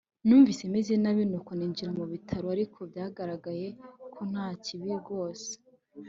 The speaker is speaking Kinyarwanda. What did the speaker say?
Numvise meze nabi nuko ninjira mu bitaro Ariko byagaragaye ko nta kibi rwose